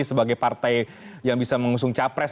sebagai partai yang bisa mengusung capres